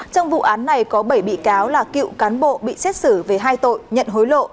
trong vụ án này có bảy bị cáo là cựu cán bộ bị xét xử về hai tội nhận hối lộ